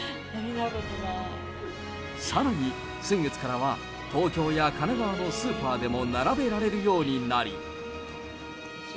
さらに先月からは、東京や神奈川のスーパーでも並べられるようになり。